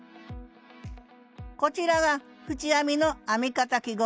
こちらが縁編みの編み方記号図。